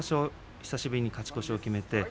久しぶりに勝ち越しを決めました。